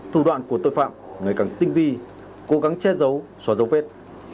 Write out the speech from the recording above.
thủ đoạn của tội phạm ngày càng tinh vi cố gắng che giấu xóa dấu vết